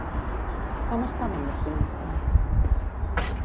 Com estaven les finestres?